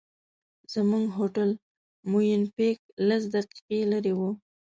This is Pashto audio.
زموږ هوټل مووېن پېک لس دقیقې لرې و.